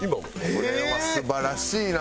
これは素晴らしいな！